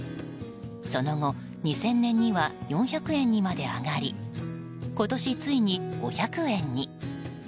その後、２０００年には４００円にまで上がり今年ついに５００円に。